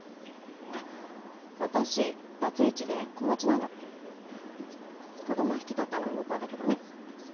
あっ私バツイチで子持ちなの子供引き取ったのは向こうだけどね